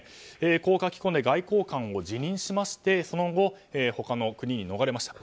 こう書き込んで外交官を辞任しましてその後、他の国に逃れました。